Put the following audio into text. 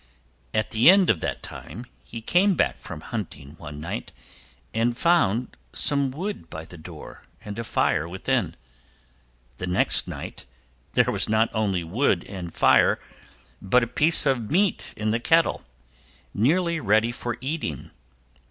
At the end of that time he came back from hunting one night and found some wood by the door and a fire within. The next night there was not only wood and fire, but a piece of meat in the kettle, nearly ready for eating.